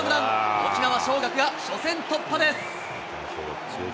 沖縄尚学が初戦突破です。